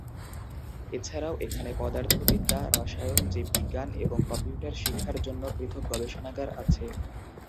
এছাড়াও এখানে পদার্থবিদ্যা, রসায়ন, জীববিজ্ঞান এবং কম্পিউটার শিক্ষার জন্য পৃথক গবেষণাগার আছে।